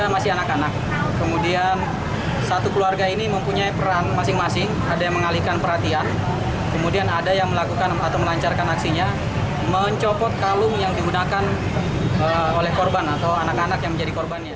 mencopot kalung yang digunakan oleh korban atau anak anak yang menjadi korbannya